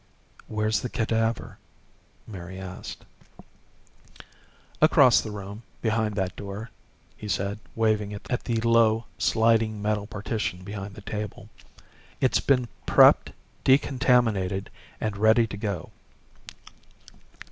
"Where's the cadaver?" Mary asked. "Across the room, behind that door," he said, waving at the low, sliding metal partition behind the table. "It's been prepped, decontaminated and ready to go."